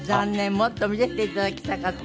もっと見せて頂きたかった。